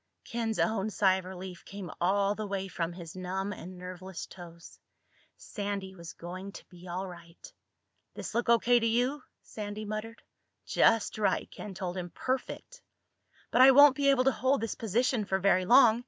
Ken's own sigh of relief came all the way from his numb and nerveless toes. Sandy was going to be all right. "This look O.K. to you?" Sandy muttered. "Just right," Ken told him. "Perfect." "But I won't be able to hold this position for very long.